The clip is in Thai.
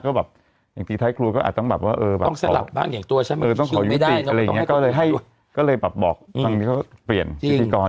ก็แบบอย่างที่ไทยครัวก็อาจต้องแบบว่าเออต้องขอยุติกอะไรอย่างเงี้ยก็เลยแบบบอกทางนี้เขาเปลี่ยนที่ที่ก่อน